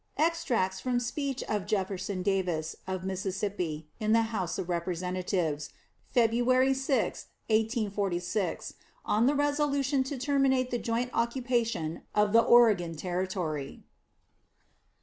Extracts from speech of Jefferson Davis, of Mississippi, in the House of Representatives, February 6, 1846, on the resolution to terminate the joint occupation of the Oregon Territory.